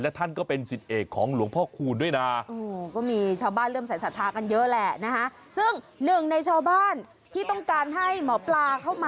ท่านก็เป็นสิทธิเอกของหลวงพ่อคูณด้วยนะ